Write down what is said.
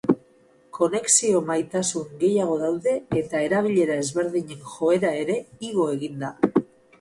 Konexio maiztasun gehiago daude eta erabilera ezberdinen joera ere igo egin da.